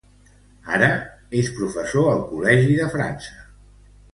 Ara, és professor al Col·legi de França.